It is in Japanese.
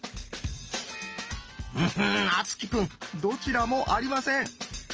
うん敦貴くんどちらもありません。